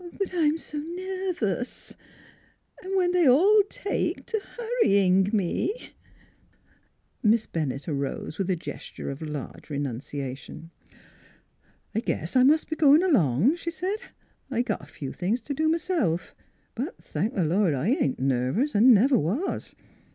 " But I'm s' nervous an' when they all take to hurrying me " Miss Bennett arose with a gesture of large re nunciation. " I guess I must be goin' along," she said. " I NEIGHBORS 35 got a few things t' do m'self. But thank th' Lord I ain't nervous an' never was